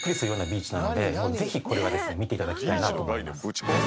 ぜひこれはですね見ていただきたいなと思います。